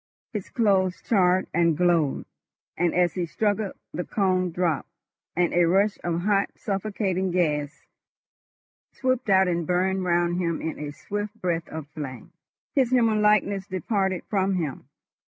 His clothes charred and glowed, and as he struggled the cone dropped, and a rush of hot suffocating gas whooped out and burned round him in a swift breath of flame. His human likeness departed from him.